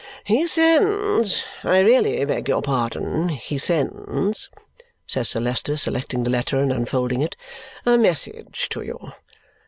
"He sends I really beg your pardon he sends," says Sir Leicester, selecting the letter and unfolding it, "a message to you.